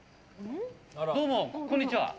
どうもこんにちは。